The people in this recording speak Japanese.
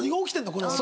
これはと。